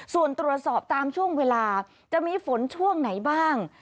ส่วนตรวจสอบตามช่วงเวลาจะมีฝนช่วงไหนบ้าง